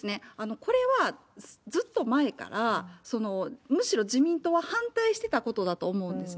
これはずっと前から、むしろ自民党は反対してたことだと思うんですね。